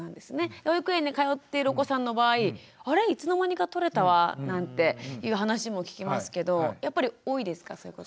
保育園に通っているお子さんの場合「あれいつの間にかとれたわ」なんていう話も聞きますけどやっぱり多いですかそういうこと。